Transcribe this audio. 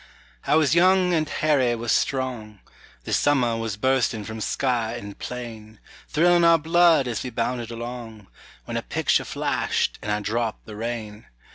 I was young and "Harry" was strong, The summer was bursting from sky and plain, Thrilling our blood as we bounded along, When a picture flashed, and I dropped the rein.